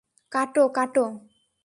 কাটো, কাটো।